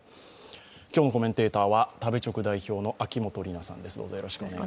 今日のコメンテーターは、食べチョク代表の秋元里奈さんです。